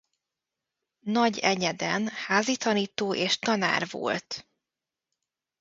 Nagyenyeden házitanító és tanár volt.